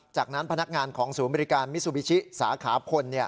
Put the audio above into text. จากนั้นพนักงานของศูนย์บริการมิซูบิชิสาขาพล